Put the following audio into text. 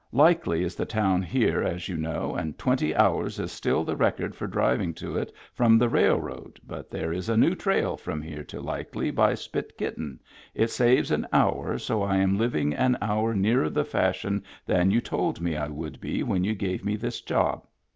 Likely is the town here as you know and twenty hours is still the record for driving to it from the railroad but there is a new trail from here to Likely by Spit Kitten it saves an hour so I am living an hour nearer the fashion than you told me I would be when you gave me this job.